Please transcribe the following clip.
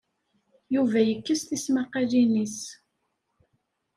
Yuba yekkes tismaqqalin-is.